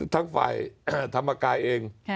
ทั้งฝ่ายธรรมกายเอง